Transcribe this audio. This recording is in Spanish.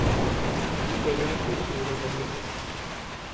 Lita y Ramfis tuvieron dos hijos.